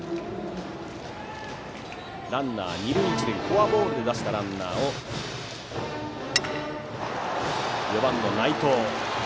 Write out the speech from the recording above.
ランナー、二塁一塁フォアボールで出したランナーを４番の内藤。